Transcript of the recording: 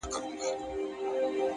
ستا لپاره خو دعا كړم.!